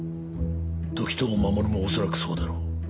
時任守も恐らくそうだろう。